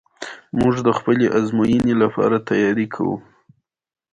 ورور ته د زړګي له کومي مینه ورکوې.